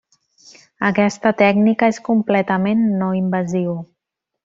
Aquesta tècnica és completament no invasiu.